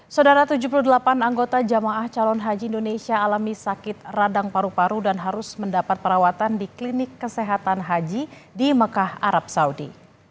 saudara tujuh puluh delapan anggota jamaah calon haji indonesia alami sakit radang paru paru dan harus mendapat perawatan di klinik kesehatan haji di mekah arab saudi